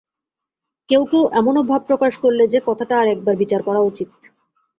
কেউ কেউ এমনও ভাব প্রকাশ করলে যে, কথাটা আর-একবার বিচার করা উচিত।